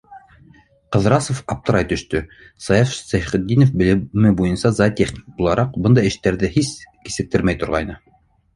Ҡыҙрасов аптырай төштө: Саяф Шәйхетдинов, белеме буйынса зоотехник булараҡ, бындай эштәрҙе һис кисектермәй торғайны.